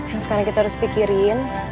yang sekarang kita harus pikirin